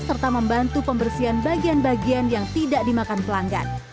serta membantu pembersihan bagian bagian yang tidak dimakan pelanggan